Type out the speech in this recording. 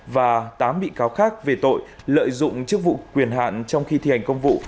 và tám bị cáo khác về tội lợi dụng chức vụ quyền hạn trong khi thi hành công vụ